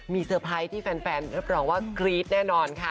มีเซอร์ไพรส์ที่แฟนรับรองว่ากรี๊ดแน่นอนค่ะ